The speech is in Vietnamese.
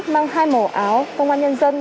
mang hai màu áo công an nhân dân